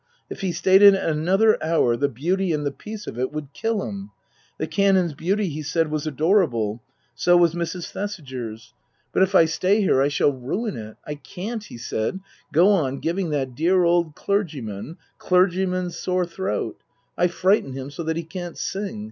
If he stayed in it another hour the beauty and the peace of it would kill him. The Canon 's beauty was, he said, adorable ; so was Mrs. Thesiger 's. Book II : Her Book 139 " But if I stay here I shall ruin it. I can't," he said, "go on giving that dear old clergyman clergyman's sore throat. I frighten him so that he can't sing.